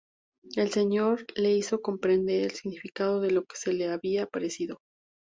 El Señor le hizo comprender el significado de lo que se le había aparecido.